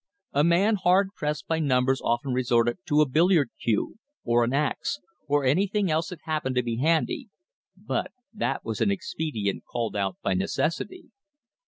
A man hard pressed by numbers often resorted to a billiard cue, or an ax, or anything else that happened to be handy, but that was an expedient called out by necessity.